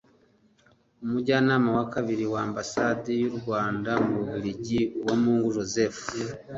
Umunjyanama wa kabiri wa Ambasade y’u Rwanda mu Bubiligi (Uwamungu Joseph)